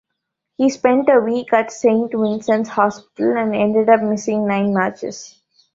He spent a week at Saint Vincent's Hospital, and ended up missing nine matches.